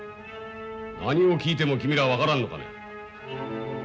何を聞いても君ら分からんのかね。